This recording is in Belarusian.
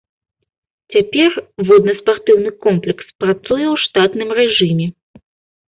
Цяпер воднаспартыўны комплекс працуе ў штатным рэжыме.